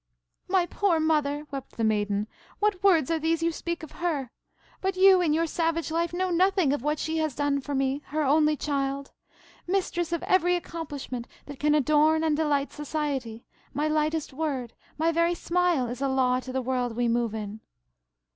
"My poor mother!" wept the Maiden; "what words are these you speak of her? But you, in your savage life, know nothing of what she has done for me, her only child. Mistress of every accomplishment that can adorn and delight society, my lightest word, my very smile, is a law to the world we move in."